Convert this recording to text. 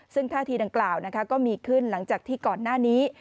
ซึ่งท่าทีดังกล่าวก็มีขึ้นหลังจากที่ก่อนหน้านี้